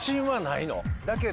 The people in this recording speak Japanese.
だけど。